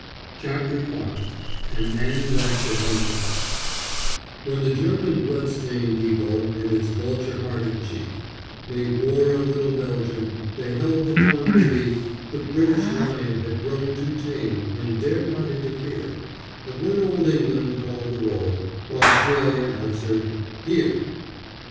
CHAPTER V AN ANZAC'S ADVENTURES [ "When the German blood stained Eagle and its vulture hearted Chief Made war on little Belgium, they held the fond belief The British Lion had grown too tame and dared not interfere; But when old England called the roll, Australia answered, 'Here!